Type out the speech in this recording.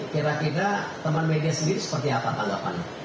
kira kira teman media sendiri seperti apa tanggapan